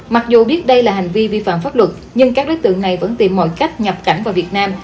mặc dù biết đây là hành vi vi phạm pháp luật nhưng các đối tượng này vẫn tìm mọi cách nhập cảnh vào việt nam